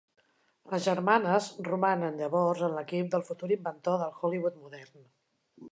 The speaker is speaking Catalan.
Les germanes romanen, llavors, en l'equip del futur inventor del Hollywood modern.